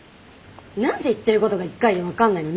何で言ってることが１回で分かんないの？